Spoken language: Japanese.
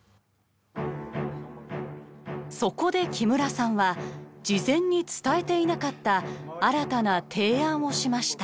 そこで木村さんは事前に伝えていなかった新たな提案をしました。